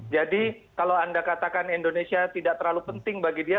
jadi kalau anda katakan indonesia tidak terlalu penting bagi dia